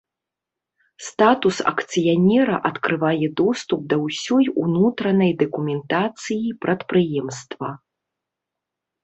Статус акцыянера адкрывае доступ да ўсёй унутранай дакументацыі прадпрыемства.